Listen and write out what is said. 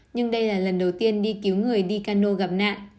nhưng đây là lần đầu tiên đi cứu người đi cano gặp nạn